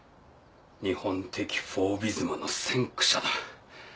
日本的フォービズムの先駆者だ。